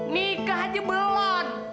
nikah aja belon